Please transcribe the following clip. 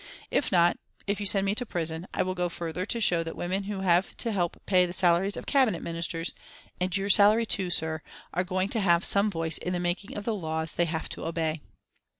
If not, if you send me to prison, I will go further to show that women who have to help pay the salaries of Cabinet Ministers, and your salary too, sir, are going to have some voice in the making of the laws they have to obey."